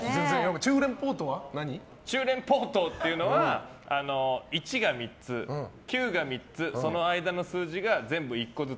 チューレンポウトウというのは１が３つ９が３つ、その間の数字が全部１個ずつ。